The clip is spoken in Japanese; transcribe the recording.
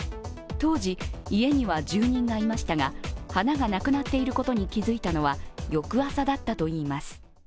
当時、家には住人がいましたが、花がなくなっていることに気づいたのは翌朝だったといいます。